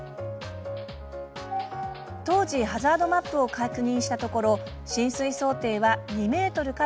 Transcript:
当時、ハザードマップを確認したところ浸水想定は２ｍ３ｍ。